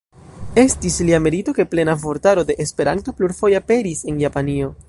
Estis lia merito ke Plena Vortaro de Esperanto plurfoje aperis en Japanio.